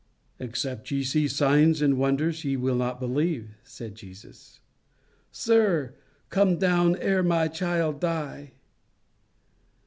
"Except ye see signs and wonders ye will not believe," said Jesus. "Sir, come down ere my child die."